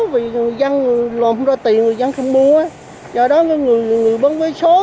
vì người dân lộn ra tiền người dân không mua do đó người bán vé số